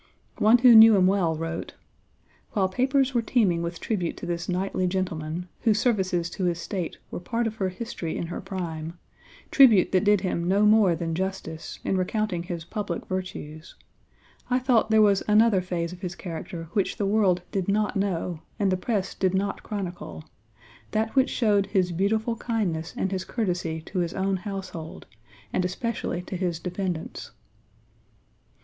One who knew him well wrote: "While papers were teeming with tribute to this knightly gentleman, whose services to his State were part of her history in her prime tribute that did him no more than justice, in recounting his public virtues I thought there was another phase of his character which the world did not know and the press did not chronicle that Page xix which showed his beautiful kindness and his courtesy to his own household, and especially to his dependents.